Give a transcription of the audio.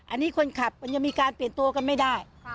อันนี้คนขับมันยังมีการเปลี่ยนตัวกันไม่ได้